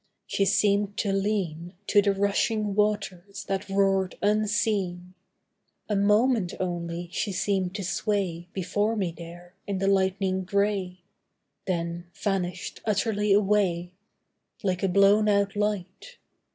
She seemed to lean To the rushing waters that roared unseen: A moment only she seemed to sway Before me there in the lightning gray, Then vanished utterly away: Like a blown out light....